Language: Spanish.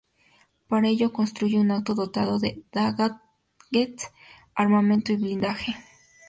Para ello, construye un auto dotado de "gadgets", armamento y blindaje.